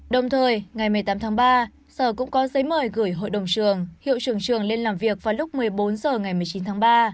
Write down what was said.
đồng thời ngày một mươi tám tháng ba sở cũng có giấy mời gửi hội đồng trường hiệu trưởng trường lên làm việc vào lúc một mươi bốn h ngày một mươi chín tháng ba